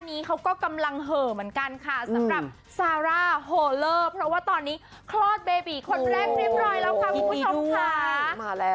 นี้เขาก็กำลังเห่อเหมือนกันค่ะสำหรับซาร่าโฮเลอร์เพราะว่าตอนนี้คลอดเบบีคนแรกเรียบร้อยแล้วค่ะคุณผู้ชมค่ะ